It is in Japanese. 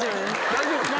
大丈夫ですか？